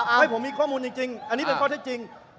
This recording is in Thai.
ให้ผมมีข้อมูลจริงอันนี้เป็นข้อเท็จจริง